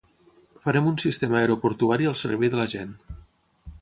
farem un sistema aeroportuari al servei de la gent